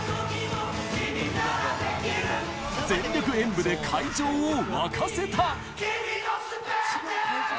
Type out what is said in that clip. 全力演舞で会場を沸かせた。